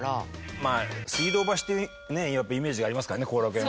まあ水道橋っていうやっぱイメージがありますからね後楽園は。